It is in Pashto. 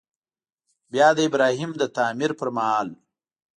بیا د ابراهیم د تعمیر پر مهال.